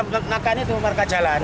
ya makanya itu marka jalan